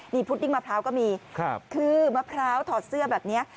นี่พุดดิ้งมะพร้าวก็มีคือมะพร้าวถอดเสื้อแบบนี้